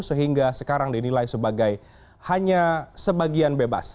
sehingga sekarang dinilai sebagai hanya sebagian bebas